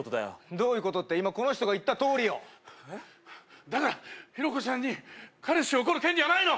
どういうことって今この人が言ったとおりよだからヒロコちゃんに彼氏を怒る権利はないの！